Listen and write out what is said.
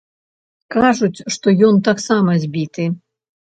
Кажуць, што ён таксама збіты.